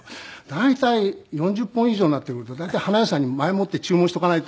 大体４０本以上になってくると花屋さんに前もって注文しとかないと。